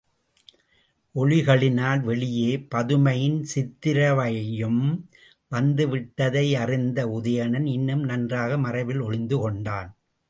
ஒலிகளினால் வெளியே பதுமையின் சித்திரவையம் வந்து விட்டதை அறிந்த உதயணன், இன்னும் நன்றாக மறைவில் ஒளிந்து கொண்டான்.